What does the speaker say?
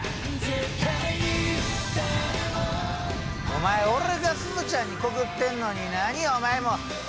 お前俺がすずちゃんに告ってんのに何お前も告っとんじゃ！